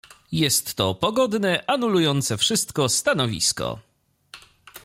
"Jest to pogodne, anulujące wszystko, stanowisko."